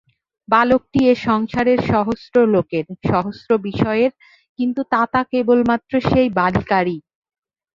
বালকটি এ সংসারের সহস্র লোকের, সহস্র বিষয়ের, কিন্তু তাতা কেবলমাত্র সেই বালিকারই।